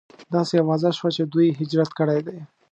داسې اوازه شوه چې دوی هجرت کړی دی.